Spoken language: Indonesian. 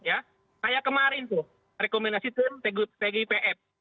kayak kemarin tuh rekomendasi tgipf